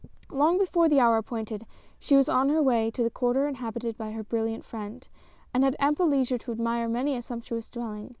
Long before the hour appointed, she was on her way to the quarter inhabited by her brilliant friend; and had ample leisure to admire many a sumptuous dwelling.